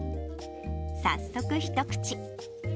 早速一口。